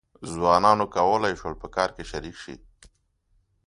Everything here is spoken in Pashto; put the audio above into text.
ځوانانو کولای شول په کار کې شریک شي.